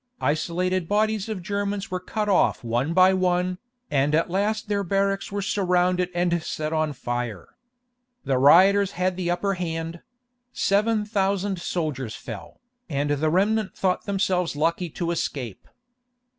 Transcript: Isolated bodies of the Germans were cut off one by one, and at last their barracks were surrounded and set on fire. The rioters had the upper hand; seven thousand soldiers fell, and the remnant thought themselves lucky to escape.